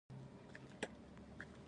مالي چارې د شفافیت له مخې اداره کېږي.